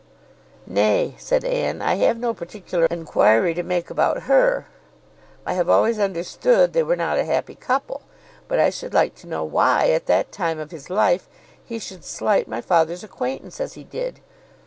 "Nay," said Anne, "I have no particular enquiry to make about her. I have always understood they were not a happy couple. But I should like to know why, at that time of his life, he should slight my father's acquaintance as he did.